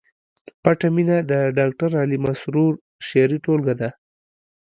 پټه مینه د ډاکټر علي مسرور شعري ټولګه ده